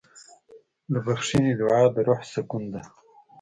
د بښنې دعا د روح سکون ده.